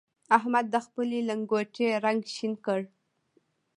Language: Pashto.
احمد د خپلې لنګوټې رنګ شين کړ.